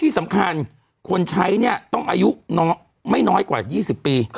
สำคัญคนใช้นี้ต้องอายุแล้วไม่น้อยกว่า๒๐ปี